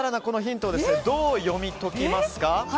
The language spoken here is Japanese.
このヒントをどう読み解きますか。